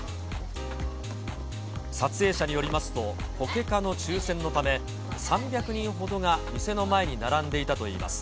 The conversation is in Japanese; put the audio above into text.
撮影者によりますと、ポケカの抽せんのため、３００人ほどが店の前に並んでいたといいます。